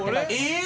ええ！